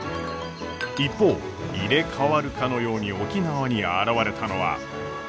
一方入れ代わるかのように沖縄に現れたのは。